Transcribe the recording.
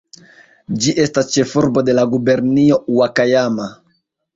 Ĝi estas ĉefurbo de la gubernio Ŭakajama.